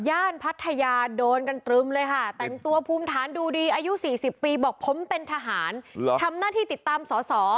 พัทยาโดนกันตรึมเลยค่ะแต่งตัวภูมิฐานดูดีอายุ๔๐ปีบอกผมเป็นทหารทำหน้าที่ติดตามสอสอ